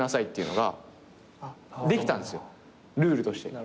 ルールとして。